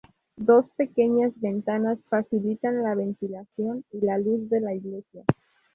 Dos pequeñas ventanas facilitan la ventilación y la luz de la iglesia.